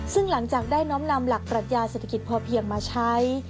ซึ่งหลังจากได้น้อมนำหลักปรัชญาเศรษฐกิจพอเพียงมาใช้